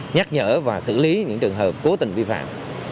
nhắc nhở và xử lý những trường hợp cố tình vi phạm